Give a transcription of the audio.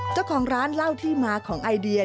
เจ้าของร้านเล่าที่มาของไอเดีย